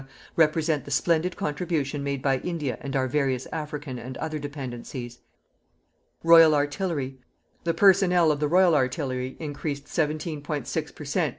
represent the splendid contribution made by India and our various African and other Dependencies. =Royal Artillery.= The personnel of the Royal Artillery increased 17.6 per cent.